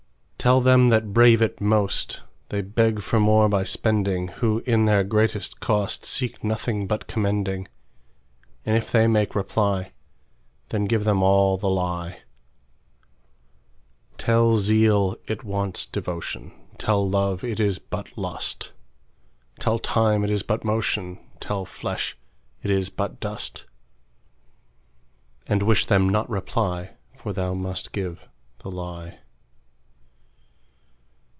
Tell them that brave it most, They beg for more by spending, Who, in their greatest cost, Seek nothing but commending:And if they make reply, Then give them all the lie. Tell zeal it wants devotion; Tell love it is but lust; Tell time it is but motion; Tell flesh it is but dust:And wish them not reply, For thou must give the lie.